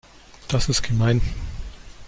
Das ist gemein.